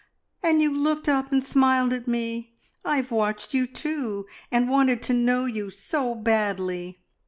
"And you looked up and smiled at me! I have watched you too, and wanted to know you so badly.